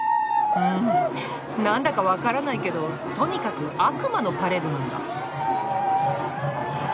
うんなんだか分からないけどとにかく悪魔のパレードなんだ。